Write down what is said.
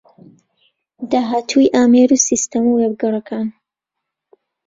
داهاتووی ئامێر و سیستەم و وێبگەڕەکان